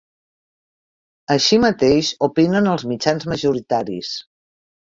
Així mateix opinen els mitjans majoritaris.